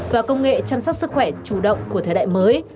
và công nghệ chăm sóc sức khỏe chủ động của thời đại mới